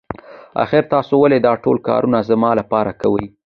آخر تاسو ولې دا ټول کارونه زما لپاره کوئ.